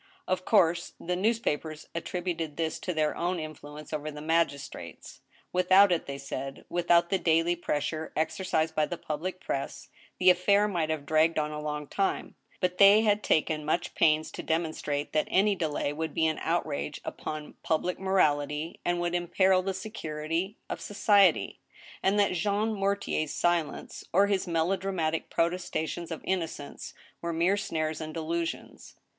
Of course, the newspapers attributed this to their own influence over the magistrates. Without it, they said, without the daily press ure exercised by the public press, the affair might have dragged on a long time ; but they had taken much pains to demonstrate that any delay would be an outrage upon public morality, and would im peril the security of society, and that Jean Mortier's silence or his melodramatic protestations of innocence were mere snares and delusions.